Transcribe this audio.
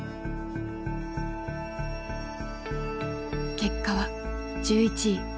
結果は１１位。